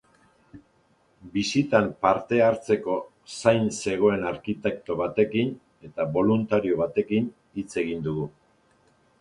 Bisitan parte hartzeko zain zegoen arkitekto batekin eta boluntario batekin hitz egin dugu.